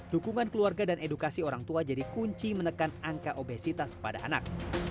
dukungan keluarga dan edukasi orang tua jadi kunci menekan angka obesitas pada anak